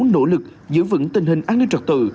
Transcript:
nỗ lực giữ vững tình hình an ninh trật tự